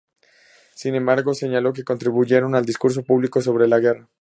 Sin embargo, señaló que contribuyeron al discurso público sobre la guerra.